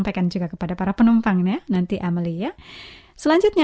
hingga pada kita sebab tiap baik tiap waktu